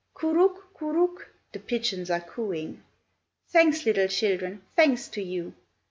"Curuck! Curuck!" the pigeons are cooing. "Thanks, little children, thanks to you!